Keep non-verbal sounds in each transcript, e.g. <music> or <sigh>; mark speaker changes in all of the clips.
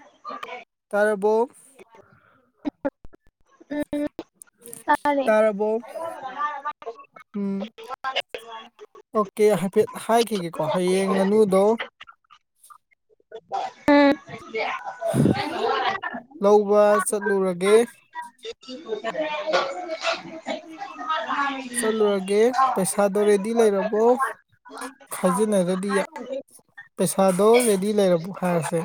Speaker 1: <unintelligible>
Speaker 2: ꯇꯥꯔꯕꯣ
Speaker 1: ꯎꯝ ꯇꯥꯏ
Speaker 2: ꯇꯥꯔꯕꯣ ꯎꯝ
Speaker 1: <unintelligible>
Speaker 2: ꯑꯣꯀꯦ ꯍꯥꯏꯐꯦꯠ ꯍꯥꯏꯈꯤꯒꯦꯀꯣ ꯍꯌꯦꯡ ꯉꯥꯅꯨꯗꯣ
Speaker 1: <inaudible> ꯑꯥ
Speaker 2: ꯂꯧꯕ ꯆꯠꯂꯨꯔꯒꯦ ꯆꯠꯂꯨꯔꯒꯦ
Speaker 1: <inaudible>
Speaker 2: ꯄꯩꯁꯥꯗꯣ ꯔꯦꯗꯤ ꯂꯩꯔꯕꯣ ꯈꯥꯏꯖꯤꯟꯅꯔꯗꯤ ꯌꯥ-
Speaker 1: <inaudible>
Speaker 2: ꯄꯩꯁꯥꯗꯣ ꯔꯦꯗꯤ ꯂꯩꯔꯕꯣ ꯍꯥꯔꯁꯦ꯫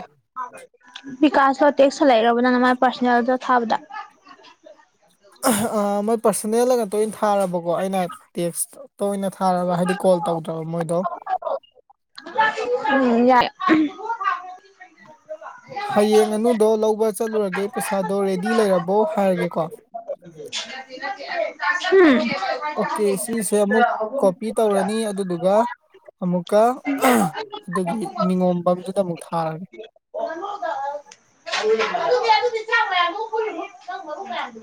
Speaker 1: ꯕꯤꯀꯥꯁꯍꯣ ꯇꯦꯛꯁ ꯍꯜꯂꯛꯏꯔꯕ ꯅꯪꯅ ꯃꯥꯏ ꯄꯥꯔꯁꯣꯅꯦꯜꯗ ꯊꯥꯕꯗ꯫
Speaker 2: ꯑꯍꯥ ꯑ ꯃꯥꯏ ꯄꯥꯔꯁꯅꯦꯜꯂꯒ ꯉꯛꯇ ꯑꯣꯏꯅ ꯊꯥꯔꯕꯀꯣ ꯑꯩꯅ ꯇꯦꯛꯁꯇ ꯇ ꯑꯣꯏꯅ ꯊꯥꯔꯒ ꯍꯥꯏꯗꯤ ꯀꯣꯜ ꯇꯧꯗ꯭ꯔꯕ ꯃꯣꯏꯗꯣ
Speaker 1: <inaudible>
Speaker 2: ꯍꯌꯦꯡ ꯉꯥꯅꯨꯗꯣ ꯂꯧꯕ ꯆꯠꯂꯨꯔꯒꯦ ꯄꯩꯁꯥꯗꯣ ꯔꯦꯗꯤ ꯂꯩꯔꯕꯣ ꯍꯥꯏꯔꯒꯦꯀꯣ꯫
Speaker 1: ꯍꯨꯝ_ _
Speaker 2: ꯑꯣꯀꯦ
Speaker 1: _
Speaker 2: ꯁꯤꯁꯦ ꯑꯃꯨꯛ
Speaker 1: <unintelligible>
Speaker 2: ꯀꯣꯄꯤ ꯇꯧꯔꯅꯤ ꯑꯗꯨꯗꯨꯒ ꯑꯃꯨꯛꯀ <unintelligible> ꯑꯗꯨꯒꯤ ꯅꯤꯉꯣꯝꯕꯝꯗꯨꯗ ꯑꯃꯨꯛ ꯊꯥꯔꯒꯦ꯫
Speaker 1: ꯉꯅꯨꯒ <unintelligible> ꯑꯗꯨꯗꯤ ꯑꯗꯨꯗꯤ ꯇꯔꯥꯉꯥ꯫ ꯉꯅꯨ ꯄꯨꯔꯅꯨ ꯅꯪ ꯉꯅꯨ ꯃꯌꯥꯝꯁꯦ_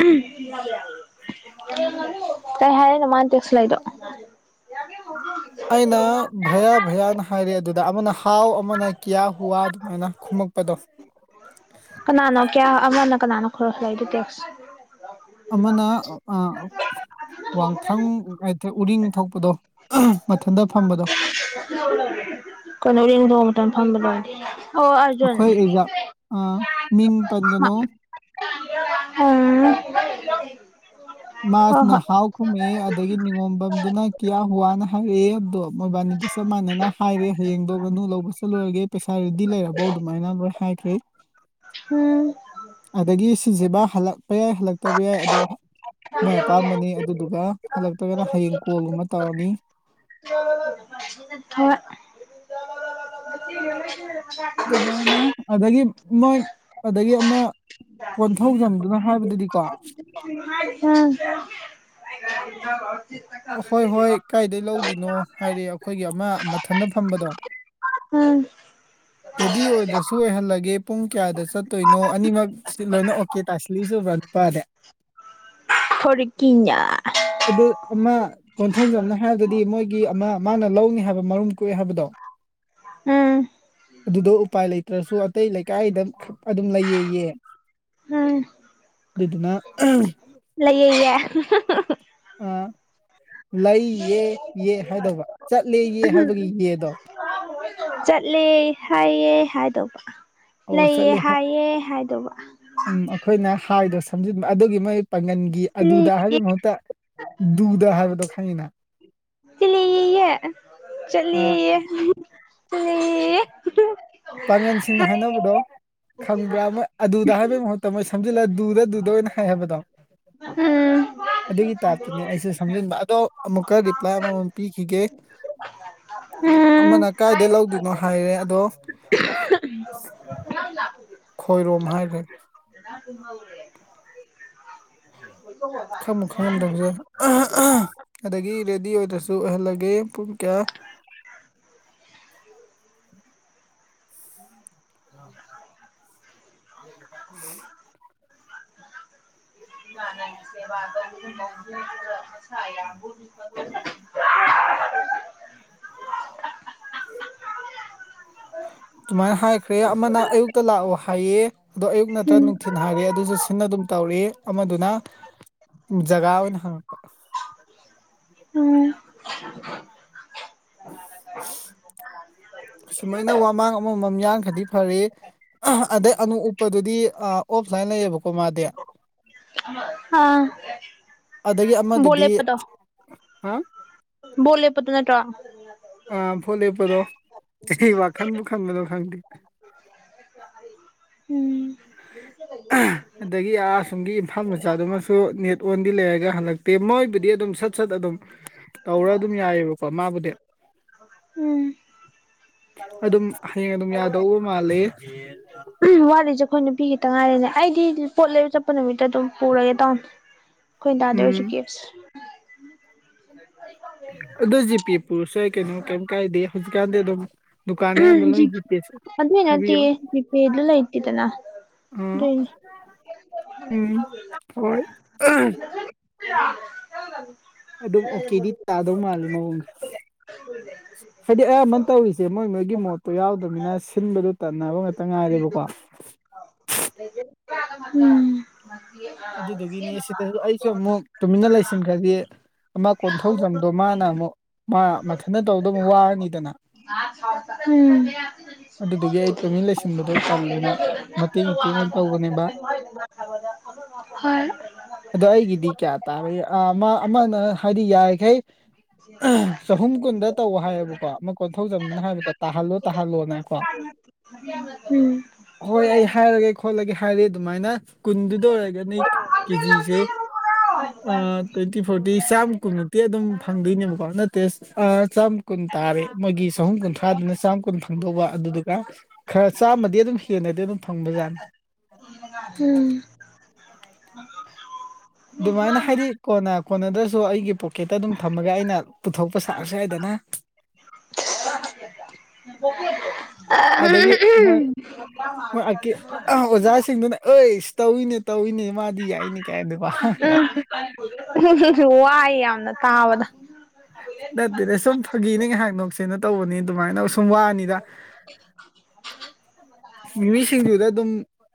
Speaker 1: _ _ <unintelligible> <unintelligible> ꯀꯩ ꯍꯥꯏꯔꯛꯏꯅꯣ ꯃꯥꯅ ꯇꯦꯛꯁ ꯍꯜꯂꯛꯏꯗꯣ꯫ <unintelligible>
Speaker 2: ꯑꯩꯅ ꯚꯌꯥ ꯚꯌꯥꯅ ꯍꯥꯏꯔꯦ ꯑꯗꯨꯗ ꯑꯃꯅ ꯍꯥꯎ ꯑꯃꯅ ꯀ꯭ꯌꯥ ꯍꯨꯋꯥ ꯑꯗꯨꯃꯥꯏꯅ ꯈꯨꯝꯃꯛꯄꯗꯣ꯫
Speaker 1: ꯀꯅꯥꯅꯣ ꯀꯌꯥ ꯑꯃꯅ ꯀꯅꯥꯅꯣ ꯈꯨꯔ ꯍꯥꯜꯂ ꯏꯗꯨ ꯇꯦꯛꯁ꯫
Speaker 2: ꯑꯃꯅ ꯑ ꯑꯣ ꯋꯥꯡꯊ꯭ꯔꯪ ꯉꯥꯏꯇ ꯎꯔꯤꯡ ꯊꯣꯛꯄꯗꯣ ꯑ ꯍꯥ ꯃꯊꯟꯗ ꯐꯝꯕꯗꯣ꯫
Speaker 1: <unintelligible> ꯀꯩꯅꫭ ꯎꯔꯤꯡꯗꫭꯝ ꯇꯪ ꯐꯥꯝꯕꯗꯦ ꯫
Speaker 2: ꯑꯈꯣꯏ ꯑꯦꯛꯖꯥꯝ ꯑ ꯃꯤꯡ ꯄꯟꯒꯅꯣ꯫
Speaker 1: ꯎꯝ꯫ <unintelligible> ꯍꯣꯏ
Speaker 2: ꯃꯥꯁꯅ
Speaker 1: ꯍꯣꯏ
Speaker 2: ꯍꯥꯎ ꯈꯨꯝꯃꯦꯑꯦ ꯑꯗꯒꯤ ꯅꯤꯉꯣꯝꯕꯝꯗꯨꯅ ꯀꯌꯥ ꯍꯨꯋꯥꯅ ꯍꯥꯏꯔꯦꯑꯦ ꯑꯗꯣ ꯃꯣꯏꯕꯥꯟꯅꯤꯗ ꯆꯞ ꯃꯥꯟꯅꯅ ꯍ ꯍꯥꯏꯔꯦ ꯍꯌꯦꯡꯗꯣ ꯉꯅꯨ ꯂꯧꯕ ꯆꯠꯂꯨꯔꯒꯦ ꯄꯩꯁꯥ ꯔꯦꯗꯤ ꯂꯩꯔꯕꯧ ꯑꯗꯨꯃꯥꯏꯅ ꯂꯣꯏ ꯍꯥꯏꯈ꯭ꯔꯦ꯫
Speaker 1: ꯍꯨꯝ꯫
Speaker 2: ꯑꯗꯒꯤ ꯁꯤꯁꯤꯕ ꯍꯜꯂꯛꯄ ꯌꯥꯏ ꯍꯜꯂꯛꯇꯕ ꯌꯥꯏ ꯑꯗꯣ ꯃꯣꯏ ꯑꯄꯥꯝꯕꯅꯤ ꯑꯗꯨꯗꯨꯒ ꯍꯜꯂꯛꯇ꯭ꯔꯒꯅ ꯍꯌꯦꯡ ꯀꯣꯜꯒꯨꯝꯕ ꯇꯧꯔꯅꯤ꯫
Speaker 1: <unintelligible> ꯊꯣꯏ_ _ _ <unintelligible>
Speaker 2: ꯗꯨꯃꯥꯏꯅ ꯑꯗꯒꯤ ꯃꯣꯏ ꯑꯗꯒꯤ ꯑꯃ ꯀꯣꯟꯊꯧꯖꯝꯗꯨꯅ ꯍꯥꯏꯕꯗꯗꯤꯀꯣ
Speaker 1: ꯍꯥ <unintelligible>
Speaker 2: ꯍꯣꯏ ꯍꯣꯏ ꯀꯥꯏꯗꯩ ꯂꯧꯗꯨꯏꯅꯣ ꯍꯥꯏꯔꯦ ꯑꯈꯣꯏꯒꯤ ꯑꯃ ꯃꯊꯟꯇ ꯐꯝꯕꯗꯣ
Speaker 1: <unintelligible>
Speaker 2: ꯔꯦꯗꯤ ꯑꯣꯏꯗ꯭ꯔꯁꯨ ꯑꯣꯏꯍꯜꯂꯒꯦ ꯄꯨꯡ ꯀꯌꯥꯗ ꯆꯠꯇꯣꯏꯅꯣ ꯑꯅꯤꯃꯛ ꯁꯤ ꯂꯣꯏꯅ ꯑꯣ ꯀꯦ ꯇꯥꯁꯤꯜꯂꯤꯏꯖꯦ ꯎꯕ꯭ꯔꯥ ꯅꯨꯄꯥꯗꯦ
Speaker 1: ꯐꯔꯦꯀꯤꯅꯣ_ _ _
Speaker 2: ꯑꯗꯨ ꯑꯃ ꯀꯣꯟꯊꯧꯖꯝꯅ ꯍꯥꯏꯕꯗꯤ ꯃꯣꯏꯒꯤ ꯑꯃ ꯃꯥꯅ ꯂꯧꯅꯤ ꯍꯥꯏꯕ ꯃꯔꯨꯝ ꯀꯣꯛꯑꯦ ꯍꯥꯏꯕꯗꯣ
Speaker 1: ꯎꯝ꯫
Speaker 2: ꯑꯗꯨꯗꯣ ꯎꯄꯥꯏ ꯂꯩꯇ꯭ꯔꯁꯨ ꯑꯇꯩ ꯂꯩꯀꯥꯏꯗ ꯈꯔ ꯑꯗꯨꯝ ꯂꯩꯌꯦꯌꯦ
Speaker 1: ꯎꯝ
Speaker 2: ꯑꯗꯨꯗꯨꯅ ꯑ
Speaker 1: ꯂꯩꯌꯦꯌꯦ <unintelligible>
Speaker 2: ꯑ ꯂꯩꯌꯦ ꯌꯦ ꯍꯥꯏꯗꯧꯕ ꯆꯠꯂꯦ ꯌꯦ ꯍꯥꯏꯕꯒꯤ ꯌꯦꯗꯣ꯫
Speaker 1: ꯆꯠꯂꯦ ꯍꯥꯏꯌꯦ ꯍꯥꯏꯗꯧꯕ꯫
Speaker 2: ꯑꯣ
Speaker 1: ꯂꯩꯌꯦ
Speaker 2: ꯆꯠꯂꯦ ꯍꯥꯏ
Speaker 1: ꯍꯥꯏꯌꯦ ꯍꯥꯏꯗꯧꯕ꯫
Speaker 2: ꯎꯝ ꯑꯩꯈꯣꯏꯅ ꯍꯥꯏꯗꯣ ꯁꯝꯖꯤꯟꯕ ꯑꯗꯨꯒꯤ ꯃꯣꯏ ꯄꯥꯡꯒꯟ- - - ꯒꯤ ꯑꯗꯨꯗ
Speaker 1: ꯆꯠꯂꯦꯌꯦ
Speaker 2: ꯍꯥꯏꯕꯒꯤ ꯃꯍꯨꯠꯇ ꯗꯨꯗ ꯍꯥꯏꯕꯗꯣ ꯈꯪꯉꯤꯅ꯫
Speaker 1: ꯇꯤꯂꯤꯌꯦꯌꯦ
Speaker 2: ꯑ
Speaker 1: ꯆꯠꯂꯦꯌꯦ ꯇꯤꯂꯤꯌꯦꯌꯦ- - -
Speaker 2: ꯄꯥꯡꯒꯟꯁꯤꯡꯅ ꯍꯥꯏꯅꯕꯗꯣ- - - ꯈꯪꯕ꯭ꯔꯥ ꯃꯥ ꯑꯗꯨꯗ ꯍꯥꯏꯕꯩ ꯃꯍꯨꯠꯇ ꯃꯣꯏ ꯁꯝꯖꯤꯜꯂ ꯗꯨꯗ ꯗꯨꯗ ꯑꯣꯏꯅ ꯍꯥꯏ ꯍꯥꯏꯕꯗꯣ
Speaker 1: ꯎꯝ
Speaker 2: ꯑꯗꯨꯒꯤ ꯇꯥꯛꯞꯇꯅꯦ ꯑꯩꯁꯨ ꯁꯝꯖꯤꯟꯕ ꯑꯗꯣ ꯑꯃꯨꯛꯀ ꯔꯤꯄ꯭ꯂꯥꯏ ꯑꯃꯃꯝ ꯄꯤꯈꯤꯒꯦ
Speaker 1: ꯎꯝ
Speaker 2: ꯑꯃꯅ ꯀꯥꯏꯗꯩ ꯂꯧꯗꯣꯏꯅꯣ ꯍꯥꯏꯔꯦ ꯑꯗꯣ ꯈꯣꯏꯔꯣꯝ ꯍꯥꯏꯔꯦ
Speaker 1: <unintelligible> <unintelligible>
Speaker 2: ꯈꯪꯉꯨ ꯈꯪꯉꯝꯗꯧꯁꯦ ꯑꯗꯒꯤ ꯔꯦꯗꯤ ꯑꯣꯏꯗ꯭ꯔꯁꯨ ꯑꯣꯏꯍꯜꯂꯒꯦ ꯄꯨꯡ ꯀꯌꯥ <unintelligible> <unintelligible>
Speaker 1: <unintelligible>
Speaker 2: ꯗꯨꯃꯥꯏꯅ ꯍꯥꯏꯈ꯭ꯔꯦ ꯑꯃꯅ ꯑꯌꯨꯛꯇ ꯂꯥꯛꯑꯣ ꯍꯥꯏꯌꯦ ꯑꯗꯣ ꯑꯌꯨꯛ ꯅꯠꯇ꯭ꯔ
Speaker 1: ꯎꯝ
Speaker 2: ꯅꯨꯡꯊꯤꯟ ꯍꯥꯏꯔꯦ ꯑꯗꯨꯁꯨ ꯁꯤꯅ ꯗꯨꯝ ꯇꯧꯔꯤ ꯑꯃꯗꯨꯅ ꯖꯒꯥ ꯑꯣꯏꯅ ꯍꯪꯉꯛꯄ
Speaker 1: <unintelligible> <unintelligible>
Speaker 2: ꯁꯨꯃꯥꯏꯅ ꯋꯥꯃꯥꯡ ꯑꯃꯃꯝ ꯌꯥꯟꯈ꯭ꯔꯗꯤ ꯐꯔꯦ ꯑꯗꯩ ꯑꯅꯨ ꯎꯞꯄꯗꯨꯗꯤ ꯑꯣꯐ ꯂꯥꯏꯟ ꯂꯩꯌꯦꯕꯀꯣ ꯃꯥꯗꯤ
Speaker 1: ꯑꯥ
Speaker 2: ꯑꯗꯒꯤ
Speaker 1: ꯕꯣꯠ
Speaker 2: ꯑꯃꯗꯨꯗꯤ
Speaker 1: ꯂꯦꯞꯄꯗꯣ ꯕꯣꯠ ꯂꯦꯞꯄꯗꯣ ꯅꯠꯇ꯭ꯔꯣ
Speaker 2: ꯑꯥ ꯐꯣꯠ ꯂꯦꯞꯄꯗꯣ ꯋꯥꯈꯟꯕꯨ ꯈꯟꯕꯗꯣ ꯈꯪꯗꯦ
Speaker 1: ꯎꯝ
Speaker 2: ꯑꯗꯒꯤ ꯑꯥ ꯑꯁꯣꯝꯒꯤ ꯏꯝꯐꯥ ꯃꯆꯥꯗꯨꯃ ꯅꯦꯠ ꯑꯣꯟꯗꯤ ꯂꯩꯔꯒ ꯍꯜꯂꯛꯇꯦ ꯃꯣꯏꯕꯨꯗꯤ ꯑꯗꯨꯝ ꯁꯠ ꯁꯠ ꯑꯗꯨꯝ ꯇꯧꯔ ꯑꯗꯨꯝ ꯌꯥꯏꯑꯕꯀꯣ ꯃꯥꯕꯨꯗꯤ
Speaker 1: ꯎꯝ
Speaker 2: ꯑꯗꯨꯝ ꯍꯌꯦꯡ ꯑꯗꯨꯝ ꯌꯥꯗꯧꯕ ꯃꯥꯂꯦ
Speaker 1: ꯋꯥꯠꯂꯤꯁꯦ ꯑꯩꯈꯣꯏ ꯅꯨꯄꯤ ꯈꯤꯇꯪ ꯉꯥꯏꯔꯦꯅꯦ ꯑꯩꯗꯤ ꯄꯣꯠ ꯂꯩꯕ ꯆꯠꯄ ꯅꯨꯃꯤꯠꯇ ꯑꯗꯨꯝ ꯄꯨꯔꯒꯦ ꯇꯥꯎꯅꯦ ꯈꯣꯏꯗꯥꯗꯩ ꯑꯣꯏꯁꯨ
Speaker 2: ꯎꯝ
Speaker 1: ꯀꯦꯁ
Speaker 2: ꯑꯗꯨ ꯖꯤꯄꯦ ꯄꯨꯔꯥꯁꯨ ꯌꯥꯏ ꯀꯩꯅꯣ ꯀꯩꯝ ꯀꯥꯏꯗꯦ ꯍꯧꯖꯤꯛꯀꯥꯟꯗꯤ ꯑꯗꯨꯝ ꯗꯨꯀꯥꯟ ꯑꯌꯥꯝꯕ
Speaker 1: ꯖꯤ
Speaker 2: ꯂꯣꯏ ꯖꯤꯄꯦ
Speaker 1: ꯑꯗꯨꯏ ꯅꯠꯇꯦ
Speaker 2: ꯍꯥꯏꯕꯤꯌꯣ
Speaker 1: ꯖꯤ ꯄꯦ ꯂꯩꯇꯦꯗꯅꯥ
Speaker 2: ꯑ
Speaker 1: ꯗꯨꯏꯅꯤ
Speaker 2: ꯎꯝ ꯍꯣꯏ ꯑꯗꯨꯝ ꯑꯣꯀꯦꯗꯤ
Speaker 1: <unintelligible>
Speaker 2: ꯇꯥꯗꯧ ꯃꯥꯜꯂꯤ ꯃꯑꯣꯡꯁꯦ
Speaker 1: <unintelligible>
Speaker 2: ꯍꯥꯏꯗꯤ ꯑꯌꯥꯝꯕꯅ ꯇꯧꯔꯤꯁꯦ ꯃꯣꯏ ꯃꯣꯏꯒꯤ ꯃꯣꯠꯇꯣ ꯌꯥꯎꯗꯕꯅꯤꯅ ꯁꯤꯟꯕꯗꯣ ꯇꯟꯅꯕ ꯉꯥꯛꯇ ꯉꯥꯏꯔꯦꯕꯀꯣ
Speaker 1: ꯎꯝ <unintelligible>
Speaker 2: ꯑꯗꯨꯗꯨꯒꯤꯅꯤ ꯁꯤꯗ ꯑꯩꯁꯨ ꯑꯃꯨꯛ ꯇꯨꯃꯤꯟꯅ ꯂꯩꯁꯤꯟꯈ꯭ꯔꯗꯤ ꯑꯃꯥ ꯀꯣꯟꯊꯧꯖꯝꯗꯣ ꯃꯥꯅ ꯑꯃꯨꯛ ꯃꯥ ꯃꯊꯟꯗ ꯇꯧꯗꯨ ꯋꯥꯔꯅꯤꯗꯅ
Speaker 1: ꯎꯝ <unintelligible>
Speaker 2: ꯑꯗꯨꯗꯨꯒꯤ ꯑꯩ ꯇꯨꯃꯤꯟ ꯂꯩꯁꯤꯟꯕꯗꯣ ꯇꯜꯂꯦꯅ ꯃꯇꯦꯡ ꯏꯇꯦꯡ ꯑꯣꯏꯅ ꯇꯧꯕꯅꯦꯕ
Speaker 1: ꯍꯣꯏ
Speaker 2: ꯑꯗꯣ ꯑꯩꯒꯤꯗꯤ ꯀꯌꯥ ꯇꯥꯔ ꯑꯃ ꯑꯃꯅ ꯍꯥꯏꯗꯤ ꯌꯥꯔꯤꯈꯩ ꯆꯍꯨꯝ ꯀꯨꯟꯗ ꯇꯧ ꯍꯥꯏꯌꯦꯕꯀꯣ ꯑꯃ ꯀꯣꯟꯊꯧꯖꯝꯗꯨꯅ ꯍꯥꯏꯕꯗꯣ ꯇꯥꯍꯜꯂꯣ ꯇꯥꯍꯜꯂꯣꯅꯀꯣ
Speaker 1: <inaudible> ꯎꯝ
Speaker 2: ꯍꯣꯏ ꯑꯩ ꯍꯥꯏꯔꯒꯦ ꯈꯣꯠꯂꯒꯦ ꯍꯥꯏꯔ ꯑꯗꯨꯃꯥꯏꯅ ꯀꯨꯟ ꯑꯣꯔꯒꯥꯅꯤꯛ ꯀꯦꯖꯤꯁꯦ ꯇ꯭ꯋꯦꯟꯇꯤ ꯐꯣꯔꯇꯤ ꯆꯥꯝ ꯀꯨꯟꯃꯨꯛꯇꯤ ꯑꯗꯨꯝ ꯈꯪꯗꯣꯏꯅꯦꯕꯀꯣ ꯅꯠꯇꯦꯁ ꯑ ꯆꯥꯝ ꯀꯨꯟ ꯇꯥꯔꯦ ꯃꯣꯏꯒꯤ ꯆꯍꯨꯝ ꯀꯨꯟꯊ꯭ꯔꯥꯗꯨꯅ ꯆꯥꯝ ꯀꯨꯟ ꯐꯪꯗꯧꯕ ꯑꯗꯨꯗꯨꯒ ꯈꯔ ꯆꯥꯝꯃꯗꯤ ꯑꯗꯨꯝ ꯍꯦꯟꯅꯗꯤ ꯑꯗꯨꯝ ꯐꯪꯕꯖꯥꯠꯅꯤ
Speaker 1: ꯎꯝ
Speaker 2: ꯑꯗꯨꯃꯥꯏꯅ ꯍꯥꯏꯗꯤ ꯀꯣꯟꯅ ꯀꯣꯟꯅꯗ꯭ꯔꯁꯨ ꯑꯩꯒꯤ ꯄꯣꯀꯦꯠꯇ ꯑꯗꯨꯝ ꯊꯝꯃꯒ ꯑꯩꯅ ꯄꯨꯊꯣꯛꯄ ꯁꯥꯔꯁꯨ ꯌꯥꯏꯗꯅ ꯑꯗꯒꯤ
Speaker 1: <unintelligible>
Speaker 2: ꯑ ꯑꯣꯖꯥꯁꯤꯡꯗꯨꯅ ꯑꯩꯁ ꯇꯧꯏꯅꯦ ꯇꯧꯏꯅꯦ ꯃꯥꯗꯤ ꯌꯥꯏꯅꯦ ꯀꯥꯏꯅꯀꫭ
Speaker 1: <unintelligible> ꯋꯥꯏ ꯌꯥꯝꯅ ꯀꯥꯕꯗ
Speaker 2: ꯅꯠꯇꯦꯅꯦ ꯁꯨꯝ ꯐꯥꯒꯤꯅꯤ ꯉꯥꯏꯍꯥꯛ ꯅꯣꯛꯁꯦꯅ ꯇꯧꯕꯅꯤ ꯑꯗꯨꯃꯥꯏꯅ ꯁꯨꯝ ꯋꯥꯅꯤꯗ
Speaker 1: <inaudible>
Speaker 2: ꯃꯤꯑꯣꯏꯁꯤꯡꯖꯨꯗ ꯑꯗꯨꯝ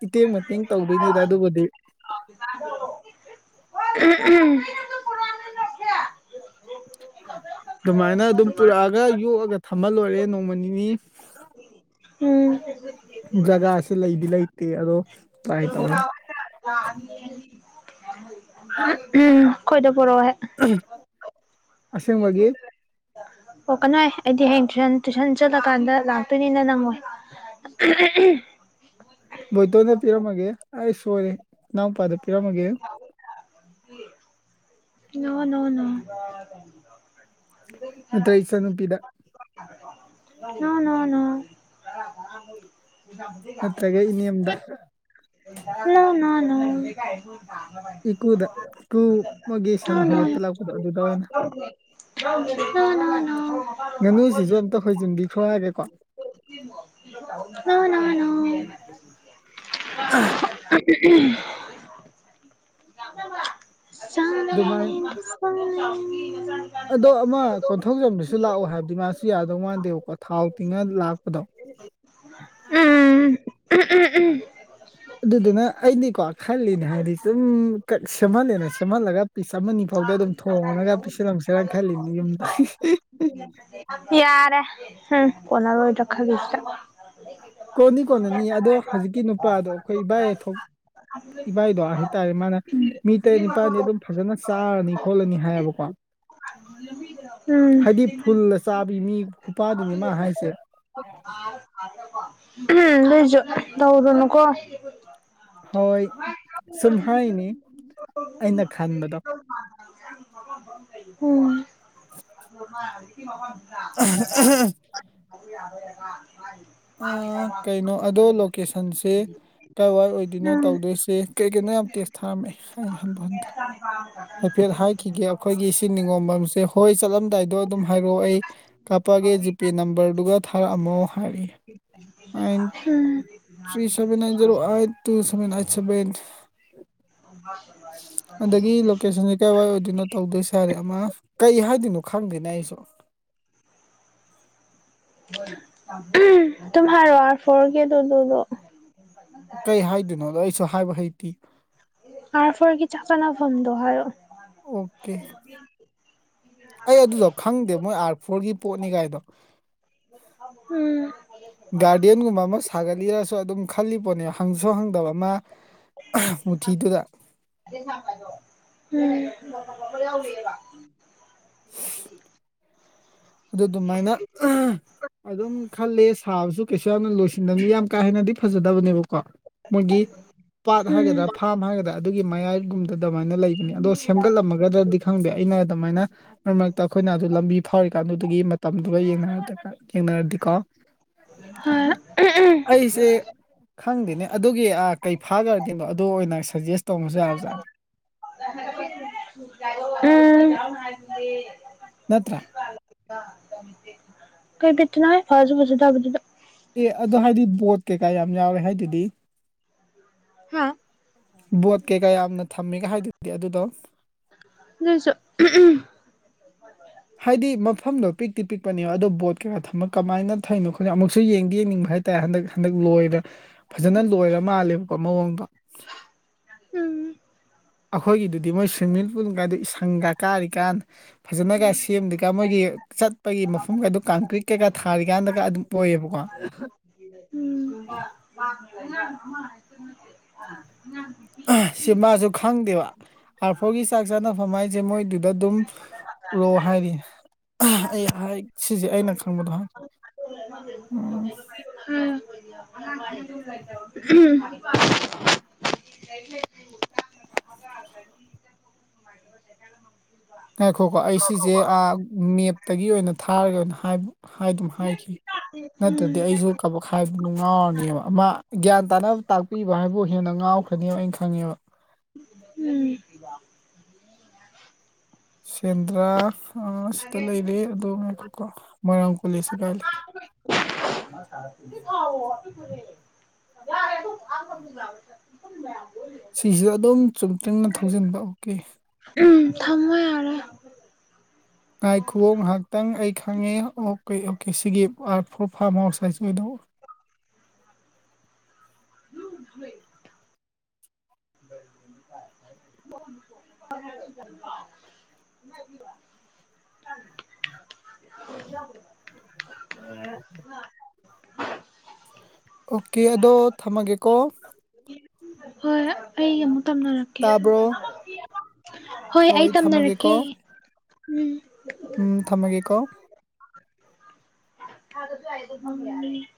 Speaker 2: ꯏꯇꯦꯡ ꯃꯇꯦꯡ ꯇꯧꯗꯣꯏꯅꯤꯗ ꯑꯗꯨꯕꯨꯗꯤ
Speaker 1: ꯎꯝ ꯎꯝ
Speaker 2: ꯑꯗꯨꯃꯥꯏꯅ ꯑꯗꯨꯝ ꯒ ꯀꯟꯅ ꯈꯌꯥꯝꯅꯥ ꯝ ꯌꯣꯛꯑꯒ ꯊꯝꯍꯜ ꯂꯣꯏꯔꯦ ꯅꯣꯡꯃ ꯅꯤꯅꯤ ꯖꯒꯥꯁꯦ ꯂꯩꯗꯤ ꯂꯩꯇꯦ ꯑꯗꯣ ꯇ꯭ꯔꯥꯏ ꯇꯧꯔꯅꯤ
Speaker 1: <unintelligible> <inaudible> ꯎꯝ ꯈꯣꯏꯗ ꯄꯨꯔꯛꯑꯣꯍꯦꯛ
Speaker 2: ꯑꯁꯦꯡꯕꯒꯤ
Speaker 1: ꯄꫭꯔꯛꯀꯅꫭꯍꯦ ꯑꯩꯗꯤ ꯍꯌꯦꯡ ꯇꯨꯟ ꯇꯨꯏꯁꯟ ꯆꯠꯂꯀꯥꯟꯗ ꯂꯥꯛꯇꯣꯏꯅꯤꯅ ꯅꯪꯉꫭꯏ
Speaker 2: ꯕꯣꯏꯇꯣꯟꯗ ꯄꯤꯔꯝꯃꯒꯦ ꯑꯩ ꯁꯣꯏꯔꯦ ꯏꯅꯥꯎꯄꯥꯗ ꯄꯤꯔꯝꯃꯒꯦ
Speaker 1: ꯅ ꫭꯅꫭ ꯅꫭ ꯗꯗꯤ ꯈꯔ
Speaker 2: ꯅꯠꯇ꯭ꯔꯒ ꯏꯆꯟꯅꯨꯄꯤꯗ
Speaker 1: ꯅꫭ ꯅꫭ ꯅꫭ
Speaker 2: ꯅꯠꯇ꯭ꯔꯒ ꯏꯅ‌ꯦꯝꯗ
Speaker 1: <unintelligible>
Speaker 2: ꯏꯀꯨꯗ ꯏꯀꯨ ꯑꯃꯒꯤ ꯁꯟ ꯍꯥꯏꯒꯠꯇ ꯂꯥꯛꯄꯗꯣ ꯑꯗꯨ ꯇ ꯑꯣꯏꯅ
Speaker 1: ꯅꫭꯅꫭꯅꫭ
Speaker 2: ꯉꯥꯅꯨꯁꯤꯁꯨ ꯑꯝꯇ ꯍꫭꯏꯖꯟꯕꯤꯈ꯭ꯔꯣ ꯍꯥꯏꯒꯦꯀꯣ
Speaker 1: ꯅꫭ ꯅꫭ ꯅꫭ <unintelligible>
Speaker 2: ꯑꯗꯨꯃꯥꯏꯅ
Speaker 1: <unintelligible>
Speaker 2: ꯑꯗꯣ ꯑꯃ ꯀꯣꯟꯊꯧꯖꯝꯗꯨꯁꯨ ꯂꯥꯛꯑꯣ ꯍꯥꯏꯕꯗꯤ ꯃꯥꯁꯨ ꯌꯥꯗꯧ ꯃꯥꯟꯗꯦꯕꯀꯣ ꯊꯥꯎ ꯇꯤꯡꯉ ꯂꯥꯛꯄꯗꯣ
Speaker 1: ꯎꯝ ꯌꯥꯔꯦ ꯎꯝ
Speaker 2: ꯑꯗꯨꯗꯨꯅ ꯑꯩꯗꯤꯀꯣ ꯈꯜꯂꯤꯅꯦ ꯍꯥꯏꯗꯤ ꯁꯨꯝ ꯀ ꯁꯦꯝꯍꯜꯂꯦꯅ ꯁꯦꯝꯍꯜꯂꯒ ꯄꯤꯁ ꯑꯃꯅꯤ ꯑꯅꯤ ꯐꯥꯎꯗ ꯑꯗꯨꯝ ꯊꯣꯡꯉꯅꯒ ꯄꯤꯁꯜꯂꯝꯁꯔ ꯈꯜꯂꯤꯅꯤ ꯌꯨꯝꯗ
Speaker 1: ꯌꯥꯔꯦ ꯎꯝ ꯀꫭꯟꯅꯔꫭꯏꯗ꯭ꯔ ꯈꯜꯂꯤꯁꯤꯗ
Speaker 2: ꯀꯣꯟꯅꯤ ꯀꯣꯟꯅꯅꯤ ꯑꯗꯣ ꯍꯧꯖꯤꯛꯀꯤ ꯅꯨꯄꯥꯗꯣ ꯑꯩꯈꯣꯏ ꯏꯕꯥꯏ ꯑꯊꯣꯛ ꯏꯚꯥꯏꯗꯣ ꯍꯥꯏꯇꯥꯔꯦ ꯃꯥꯅ ꯃꯤ ꯇꯔꯦꯠ ꯅꯤꯄꯥꯜꯅꯤ ꯑꯗꯨꯝ ꯐꯖꯅ ꯆꯥꯔꯅꯤ ꯈꯣꯠꯂꯅꯤ ꯍꯥꯏꯌꯦꯕꯀꯣ
Speaker 1: ꯎꯝ
Speaker 2: ꯍꯥꯏꯗꯤ ꯐꯨꯜꯁ ꯆꯥꯕꯤ ꯃꯤ ꯈꯨꯄꯥꯗꯨꯅꯤ ꯃꯥ ꯍꯥꯏꯁꯦ
Speaker 1: ꯎꯝ ꯑꯗꯨꯏꯁꯨ ꯇꯧꯒꯅꯨ ꯀꯣ
Speaker 2: ꯍꯣꯏ ꯁꯨꯝ ꯍꯥꯏꯅꯤ ꯑꯩꯅ ꯈꯟꯕꯗꯣ
Speaker 1: <unintelligible> ꯑꯝ <inaudible>
Speaker 2: ꯀꯩꯅꯣ ꯑꯗꯣ ꯂꯣꯀꯦꯁꯟꯁꯦ ꯀꯥꯏꯋꯥꯏ ꯑꯣꯏꯗꯣꯏꯅꯣ
Speaker 1: ꯎꯝ
Speaker 2: ꯇꯧꯗꯣꯏꯁꯦ ꯀꯩ ꯀꯩꯅꯣ ꯌꯥꯝ ꯇꯦꯁ ꯊꯥꯔꯝꯃꯦ ꯑꯩ ꯍꯟꯕ ꯍꯟꯗ꯭ꯔꯦ
Speaker 1: <unintelligible>
Speaker 2: ꯍꯥꯏꯐꯦꯠ ꯍꯥꯏꯈꯤꯒꯦ ꯑꯩꯈꯣꯏꯒꯤ ꯁꯤ ꯅꯤꯉꯣꯝꯕꯝꯁꯦ ꯍꯣꯏ ꯆꯠꯂꯝꯗꯥꯏꯗꯣ ꯑꯗꯨꯝ ꯍꯥꯏꯔꯛꯑꯣ ꯑꯩ ꯀꯥꯄꯒꯦ ꯖꯤꯄꯦ ꯅꯝꯕꯔꯗꯨꯒ ꯊꯥꯔꯛꯑꯝꯃꯣ ꯍꯥꯏꯌꯦ ꯑꯩꯟ three seven nine zero eight two seven eight seven
Speaker 1: <inaudible>
Speaker 2: <unintelligible> sense ꯀꯥꯏ ꯑꯣꯏꯗꯣꯏꯅꯣ ꯇꯧꯗꯣꯏ ꯁꯥꯔꯦ ꯑꯃ ꯀꯩ ꯍꯥꯏꯗꯣꯏꯅꯣ ꯈꯪꯗꯦꯅꯦ ꯑꯩꯁꯨ
Speaker 1: ꯇꯨꯝ ꯍꯥꯏꯔꯣ <unintelligible>
Speaker 2: ꯀꯩ ꯍꯥꯏꯗꯣꯏꯅꯣꯕꯥ ꯑꯩꯁꯨ ꯍꯥꯏꯕ ꯍꯩꯇꯤꯌꯦ
Speaker 1: ꯑꯔ ꯐꯣꯔꯒꯤ ꯆꯥꯕꯥ ꯂꯛꯐꯝ ꯍꯥꯏꯌꯣ
Speaker 2: ꯑꯣꯀꯦ ꯑꯩ ꯑꯗꯨꯗꯣ ꯈꯪꯗꯦ ꯃꯣꯏ ꯑꯥꯔ ꯐꯣꯔꯒꯤ ꯄꯣꯠꯅꯤ ꯀꯥꯏꯗꯣ
Speaker 1: ꯎꯝ
Speaker 2: ꯒꯥꯔꯗꯦꯟꯒꯨꯝꯕ ꯑꯃ ꯁꯥꯒꯠꯂꯤꯔꯁꯨ ꯑꯗꯨꯝ ꯈꯜꯂꯤ ꯄꯣꯠꯅꯦ ꯍꯪꯁꯨ ꯍꯪꯗꯕ ꯑꯃ ꯃꯨꯊꯤꯗꯨꯗ
Speaker 1: ꯎꯝ
Speaker 2: ꯑꯗꯨ ꯑꯗꯨꯃꯥꯏꯅ ꯑꯗꯨꯝ ꯈꯂꯦ ꯁꯥꯕꯁꯨ ꯀꯩꯁꯨ ꯌꯥꯝꯅ ꯂꯣꯏꯁꯤꯟꯗꯕꯅꯤ ꯌꯥꯝ ꯀꯥ ꯍꯦꯟꯅꯗꯤ ꯐꯖꯗꯕꯅꯦꯕꯀꯣ ꯃꯣꯏꯒꯤ ꯄꯥꯠ ꯍꯥꯏꯒꯗ꯭ꯔꯥ
Speaker 1: ꯎꯝ
Speaker 2: ꯐꯥꯝ ꯍꯥꯏꯒꯗꯔꯥ ꯑꯗꯨꯒꯤ ꯃꯌꯥꯏꯒꯨꯝꯗ ꯑꯗꯨꯃꯥꯏꯅ ꯂꯩꯕꯅꯤ ꯑꯗꯣ ꯁꯦꯝꯒꯠꯂꯝꯃꯒꯗ꯭ꯔꯗꯤ ꯈꯪꯗꯦ ꯑꯩꯅ ꯑꯗꯨꯃꯥꯏꯅ ꯃꯔꯛ ꯃꯔꯛꯇ ꯑꯩꯈꯣꯏꯅ ꯑꯗꯨ ꯂꯝꯕꯤ ꯐꯥꯎꯔꯤꯀꯥꯟꯗꯨꯗꯒꯤ ꯃꯇꯝꯗꯨꯒ ꯌꯦꯡꯅꯔꯨꯔꯗꯤ ꯌꯦꯡꯅꯔꯗꯤꯀꯣ
Speaker 1: ꯍꯣꯏ
Speaker 2: ꯑꯩꯁꯦ ꯈꯪꯗꯦꯅꯦ ꯑꯗꯨꯒꯤ ꯑꯥ ꯀꯩ ꯐꯥꯈ꯭ꯔꯗꯤꯅꯣ ꯑꯗꯨ ꯑꯣꯏꯅ ꯁꯖꯦꯁ ꯇꯧꯅꯁꯨ ꯌꯥꯕꯖꯥꯠꯗꯤ
Speaker 1: ꯎꯝ
Speaker 2: ꯅꯠꯇꯔꯥ
Speaker 1: ꯀꯩ ꯕꯤꯠꯇ ꯅꯣꯍꯦ ꯐꯖꯥꯁꯨ ꯐꯖꯥꯗꯕꯥꯗ
Speaker 2: ꯑꯦ ꯑꯗꯣ ꯍꯥꯏꯗꯤ ꯕꯣꯠ ꯀꯩꯀꯥ ꯌꯥꯝ ꯌꯥꯎꯔꯦ ꯍꯥꯏꯗꯨꯗꯤ
Speaker 1: ꯍꯥꯥ
Speaker 2: ꯕꯣꯠ ꯀꯩꯀꯥ ꯌꯥꯝꯅ ꯊꯝꯃꯤꯒ ꯍꯥꯏꯗꯨꯗꯤ ꯑꯗꯨꯗꯣ
Speaker 1: ꯑꯗꯣꯏꯑꯣꯏꯁꯨ
Speaker 2: ꯍꯥꯏꯗꯤ ꯃꯐꯝꯗꯣ ꯄꯤꯛꯇꯤ ꯄꯤꯛꯄꯅꯦꯕ ꯑꯗꯣ ꯕꯣꯠ ꯀꯩꯀꯥ ꯊꯃ ꯀꯃꯥꯏꯅ ꯊꯩꯔꯤꯅꯣ ꯈꯣꯠꯅꯣ ꯑꯃꯨꯛꯁꯨ ꯌꯦꯡꯗꯤ ꯌꯦꯡꯅꯤꯡꯕ ꯍꯥꯏꯦ ꯇꯥꯏ ꯍꯟꯗꯛ ꯍꯟꯗꯛ ꯂꯣꯏꯔ ꯐꯖꯅ ꯂꯣꯏꯔ ꯃꯥꯜꯂꯦꯕꯀꯣ ꯃꯑꯣꯡꯗꯣ
Speaker 1: ꯎꯝ
Speaker 2: ꯑꯩꯈꯣꯏꯒꯤꯗꯨꯗꯤ ꯃꯣꯏ ꯁꯋꯤꯝꯃꯤꯡ ꯄꯨꯜ ꯀꯥꯏꯗ ꯏꯁꯪꯒ ꯀꯥꯔꯤꯀꯥꯟ
Speaker 1: ꯎꯝ
Speaker 2: ꯐꯖꯅꯒ ꯁꯦꯝꯗꯔꯤꯀꯟ ꯃꯣꯏꯒꯤ ꯆꯠꯄꯒꯤ ꯃꯐꯝꯒꯗꯨ ꯀꯪꯀ꯭ꯔꯤꯠꯀꯩꯀ ꯊꯥꯔꯤꯀꯥꯟꯗꯒ ꯑꯗꯨꯝ ꯑꯣꯏꯌꯦꯕꯥ ꯀꯦ
Speaker 1: ꯎꯝ
Speaker 2: ꯁꯤ ꯃꯥꯁꯨ ꯈꯪꯗꯦꯕ ꯑꯥꯔꯐꯣꯔꯒꯤ ꯆꯥꯛ ꯆꯥꯅꯐꯝ ꯍꯥꯏꯁꯦ ꯃꯣꯏꯗꯨꯗ ꯑꯗꯨꯝ ꯑꯩꯥ ꯍꯥꯏ ꯁꯤꯁꯦ ꯑꯩꯅ ꯈꯪꯕꯗꯣ ꯍꯥꯏ ꯎꯝ
Speaker 1: ꯎꯝ
Speaker 2: ꯉꯥꯏꯈꯣꯈꯣ ꯑꯩ ꯁꯤꯁꯦ ꯃꯦꯞꯇꯒꯤ ꯑꯣꯏꯅ ꯊꯥꯒꯔꯣ ꯑꯣꯏꯅ ꯍꯥꯏꯗꯨꯝ ꯍꯥꯏꯈꯤꯒꯤ
Speaker 1: ꯎꯝ
Speaker 2: ꯅꯠꯇꯔꯥꯗꯤ ꯑꯩꯁꯨ ꯀꯕꯛ ꯍꯥꯏꯕꯗꯨ ꯉꯥꯎꯔꯅꯤꯕ ꯃꯥ ꯒ꯭ꯌꯥꯟ ꯇꯥꯅꯕ ꯇꯥꯛꯄꯤꯕ ꯍꯥꯏꯕꯨ ꯍꯦꯟꯅ ꯉꯥꯎꯈ꯭ꯔꯅꯤꯕ ꯑꯩꯅ ꯈꯪꯉꯦꯕ
Speaker 1: ꯎꯝ
Speaker 2: ꯁꯦꯟꯗ꯭ꯔꯥ ꯐꯥꯔꯁꯇ ꯂꯩꯔꯦ ꯑꯗꯣ ꯉꯥꯏꯈꯣꯀꯣ ꯃꯣꯏꯔꯥꯡ ꯀꯣꯂꯦꯖꯅꯥ ꯀꯥꯏ ꯂꯩꯒꯦ ꯁꯤꯁꯤꯁꯨ ꯑꯗꯨꯝ ꯆꯨꯝ ꯗꯔꯤꯡꯅꯥ ꯊꯧꯖꯤꯟꯕ ꯑꯣꯀꯦ
Speaker 1: ꯎ ꯊꯝꯃꯦ ꯌꯥꯔꯦ
Speaker 2: ꯉꯥꯏ ꯈꯨꯑꯦ ꯉꯥꯏꯍꯥꯛꯇꯪ ꯑꯩ ꯈꯪꯉꯦ ꯑꯣꯀꯦ ꯑꯣꯀꯦ ꯁꯤꯒꯤ ꯑꯥꯔ ꯐꯣꯔ ꯐꯥꯔꯝ ꯍꯥꯎꯁ ꯍꯥꯏꯁꯦ ꯑꯁꯤ ꯑꯣꯏꯗꯣꯏ ꯕꯥ
Speaker 1: <inaudible> ꯄꯨꯖ
Speaker 2: ꯎꯝ ꯑꯣꯀꯦ ꯑꯗꯣ ꯊꯝꯃꯒꯦꯀꯣ
Speaker 1: ꯍꯣꯏ ꯑꯩ ꯑꯃꯨꯛ ꯇꯝꯅꯔꯛꯀꯦ
Speaker 2: ꯇꯥꯕ꯭ꯔꯣ
Speaker 1: ꯍꯣꯏ ꯑꯩ ꯇꯝꯅꯔꯛꯀꯦ ꯎꯝ
Speaker 2: ꯎꯝ ꯊꯝꯃꯒꯦꯀꯣ
Speaker 1: ꯍꯥꯏ ꯑꯗꯨꯥꯏꯗ ꯌꯥꯅꯤ